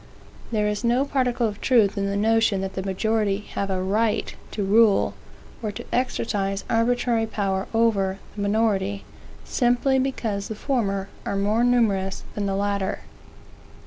There is no particle of truth in the notion that the majority have a right to rule, or to exercise arbitrary power over, the minority, simply because the former are more numerous than the latter.